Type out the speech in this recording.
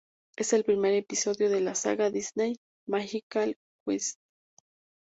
Es el primer episodio de la saga Disney's Magical Quest.